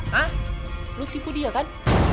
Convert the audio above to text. hah lu nipu dia kan